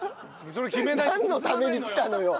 なんのために来たのよ！